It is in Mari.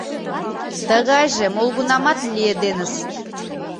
Тыгайже молгунамат лиеденыс!